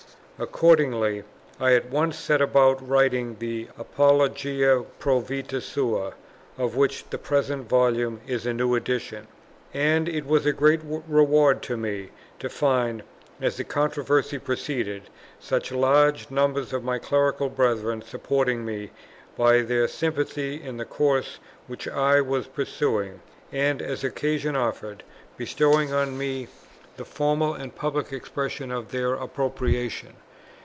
Accordingly, I at once set about writing the Apologia pro vitâ suâ, of which the present Volume is a New Edition; and it was a great reward to me to find, as the controversy proceeded, such large numbers of my clerical brethren supporting me by their sympathy in the course which I was pursuing, and, as occasion offered, bestowing on me the formal and public expression of their approbation.